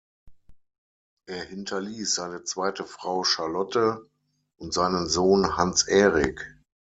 Er hinterließ seine zweite Frau, Charlotte, und seinen Sohn Hans-Erik.